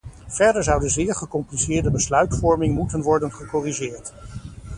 Verder zou de zeer gecompliceerde besluitvorming moeten worden gecorrigeerd.